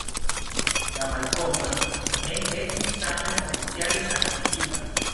La malkovro ne estis tamen oficiale agnoskita.